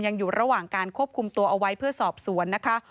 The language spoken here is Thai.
ยังอยู่ระหว่างการควบคุมตัวเอาไว้เพื่อสอบสวนนะคะ